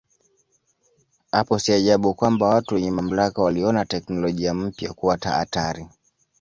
Hapo si ajabu kwamba watu wenye mamlaka waliona teknolojia mpya kuwa hatari.